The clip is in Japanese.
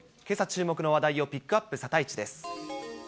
けさ注目の話題をピックアップ、サタイチです。